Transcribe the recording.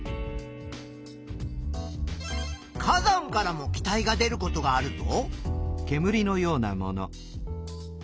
火山からも気体が出ることがあるぞ。